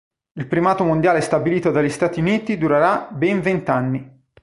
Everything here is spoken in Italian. Il primato mondiale stabilito dagli Stati Uniti durerà ben vent'anni.